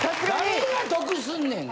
誰が得すんねんな。